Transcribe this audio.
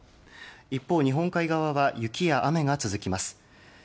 一方、日本海側は雪や雨が続きます。